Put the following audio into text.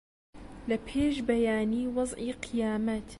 لە پێش بەیانی وەزعی قیامەت